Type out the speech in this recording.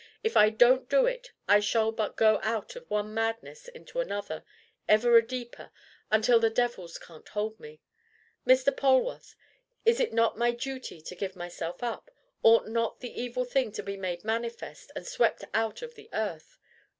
If I don't do it, I shall but go out of one madness into another, ever a deeper, until the devils can't hold me. Mr. Polwarth, is it not my duty to give myself up? Ought not the evil thing to be made manifest and swept out of the earth?